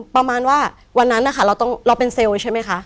ประมาณว่าวันนั้นนะคะเราเป็นเซลล์ใช่ไหมคะ